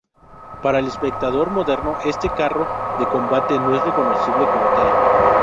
Para el espectador moderno, este carro de combate no es reconocible como tal.